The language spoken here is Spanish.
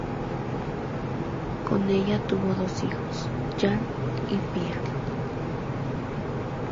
Con ella tuvo dos hijos, Jan y Pia.